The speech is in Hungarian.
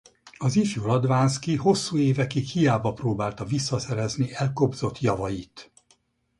Az ifjú Radvánszky hosszú évekig hiába próbálta visszaszerezni elkobzott javait.